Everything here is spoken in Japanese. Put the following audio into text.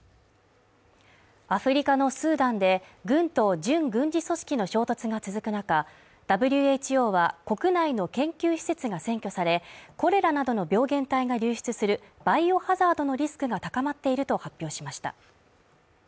アフリカのスーダンで軍と準軍事組織の衝突が続く中、ＷＨＯは、国内の研究施設が占拠され、コレラなどの病原体が流出するバイオ・ハザードのリスクが高まっていると発表しました。